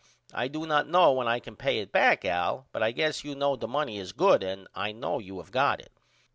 I do not know when I can pay it back Al but I guess you know the money is good and I know you have got it.